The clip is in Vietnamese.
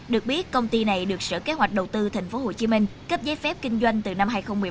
được biết công ty này được sở kế hoạch đầu tư tp hcm cấp giấy phép kinh doanh từ năm hai nghìn một mươi bảy